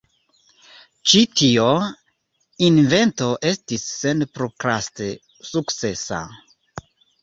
Ĉi tio invento estis senprokraste sukcesa.